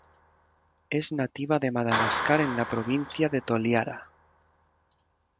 Es nativa de Madagascar en la Provincia de Toliara.